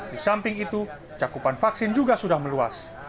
di samping itu cakupan vaksin juga sudah meluas